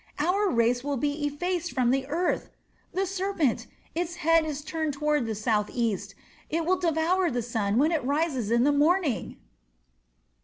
Our race will be effaced from the earth. The serpent! Its head is turned toward the southeast. It will devour the sun when it rises in the morning."